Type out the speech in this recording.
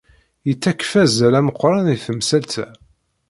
Yettakf azal ameqran i temsalt-a.